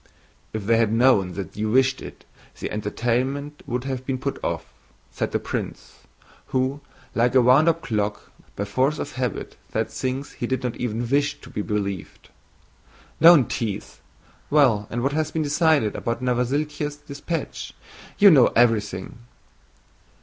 "If they had known that you wished it, the entertainment would have been put off," said the prince, who, like a wound up clock, by force of habit said things he did not even wish to be believed. "Don't tease! Well, and what has been decided about Novosíltsev's dispatch? You know everything."